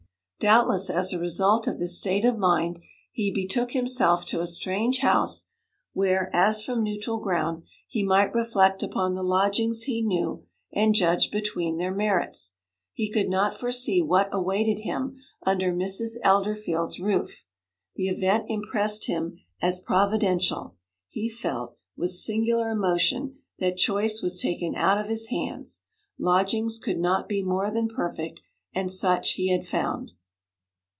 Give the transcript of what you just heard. Doubtless as a result of this state of mind, he betook himself to a strange house, where, as from neutral ground, he might reflect upon the lodgings he knew, and judge between their merits. He could not foresee what awaited him under Mrs. Elderfield's roof; the event impressed him as providential; he felt, with singular emotion, that choice was taken out of his hands. Lodgings could not be more than perfect, and such he had found.